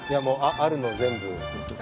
「あるの全部」。